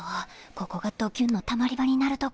ここがドキュンのたまり場になるとか。